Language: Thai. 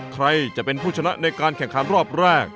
ใครจะเป็นผู้ชนะในการแข่งขันรอบแรก